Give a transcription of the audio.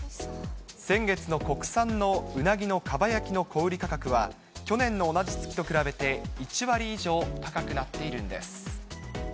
先月の国産のうなぎのかば焼きの小売り価格は、去年の同じ月と比べて１割以上高くなっているんです。